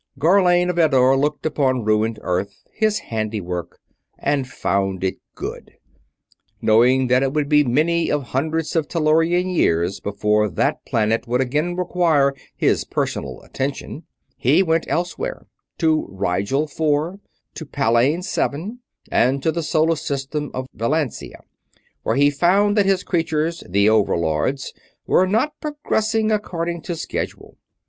_Gharlane of Eddore looked upon ruined Earth, his handiwork, and found it good. Knowing that it would be many of hundreds of Tellurian years before that planet would again require his personal attention, he went elsewhere; to Rigel Four, to Palain Seven, and to the solar system of Velantia, where he found that his creatures the Overlords were not progressing according to schedule.